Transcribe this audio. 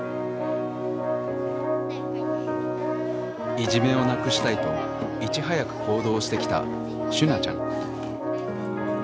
いじめをなくしたいといち早く行動してきたしゅなちゃん。